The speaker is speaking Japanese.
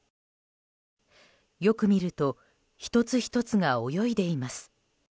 よく見ると１つ１つが泳いでいます。